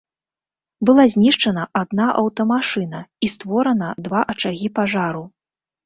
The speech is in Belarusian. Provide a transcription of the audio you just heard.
Была знішчана адна аўтамашына і створана два ачагі пажару.